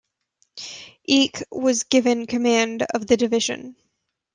Eicke was given command of the division.